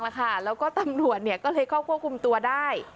แล้วก็ตำรวจก็เลยเข้าควบคุมตัวได้